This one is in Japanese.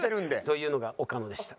というのが岡野でした。